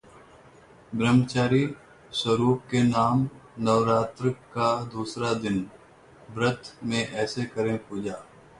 ब्रह्मचारिणी स्वरूप के नाम नवरात्र का दूसरा दिन, व्रत में ऐसे करें पूजा